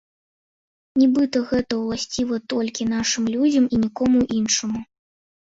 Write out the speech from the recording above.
Нібыта гэта ўласціва толькі нашым людзям і нікому іншаму.